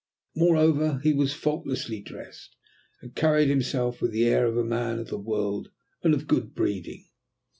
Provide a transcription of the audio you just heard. Moreover, he was faultlessly dressed, and carried himself with the air of a man of the world and of good breeding.